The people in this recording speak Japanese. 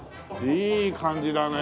いい感じだね。